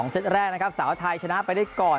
เซตแรกนะครับสาวไทยชนะไปได้ก่อน